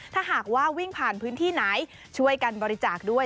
ถ้าหากว่าวิ่งผ่านพื้นที่ไหนช่วยกันบริจาคด้วย